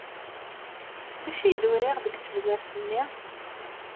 D acu ay d-uriɣ deg tezzwert-nni?